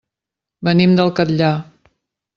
Venim del Catllar.